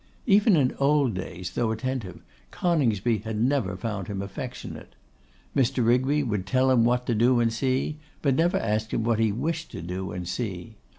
Even in old days, though attentive, Coningsby had never found him affectionate. Mr. Rigby would tell him what to do and see, but never asked him what he wished to do and see.